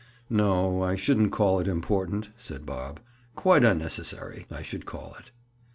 "No, I shouldn't call it important," said Bob. "Quite unnecessary, I should call it."